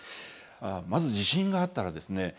まず地震があったらですね